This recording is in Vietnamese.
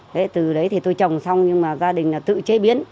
thế từ đấy thì tôi trồng xong nhưng mà gia đình là tự chế biến